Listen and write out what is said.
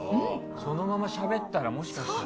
そのまましゃべったらもしかしたら。